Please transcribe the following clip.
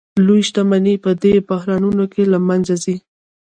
لویې شتمنۍ په دې بحرانونو کې له منځه ځي